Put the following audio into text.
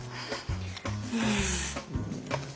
うん。